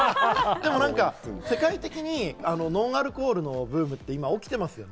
世界的にノンアルコールのブームって今起きてますよね。